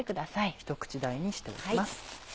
ひと口大にしておきます。